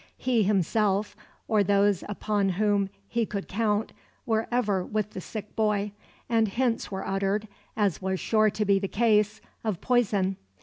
He himself, or those upon whom he could count, were ever with the sick boy, and hints were uttered as was sure to be the case of poison.